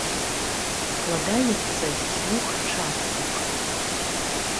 Складаецца з дзвюх частак.